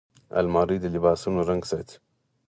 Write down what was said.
الماري د لباسونو رنګ ساتي